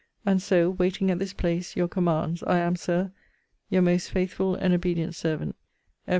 And so, waiting at this place your commands, I am, Sir, Your most faithful and obedient servant, F.